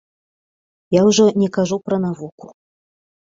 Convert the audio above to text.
Я ўжо не кажу пра навуку.